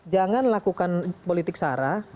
jangan lakukan politik sarah